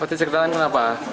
perti cekatan kenapa